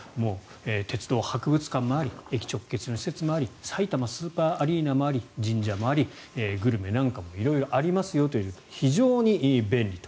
鉄道、博物館もあり駅直結の施設もありさいたまスーパーアリーナもあり神社もありグルメなんかも色々ありますよという非常に便利と。